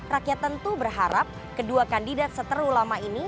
rakyat tentu berharap kedua kandidat seteru lama ini